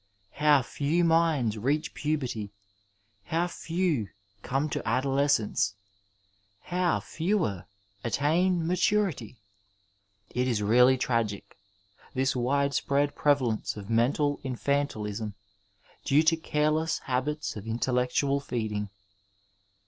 How few minds leaoh puberty, how few come to adoleseenee, how fewer attain matuity I It is really tragic — this wide spsead prevalence of mental infantiliam due to careless habits of inteUeotoal f eediqg.